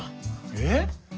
えっ？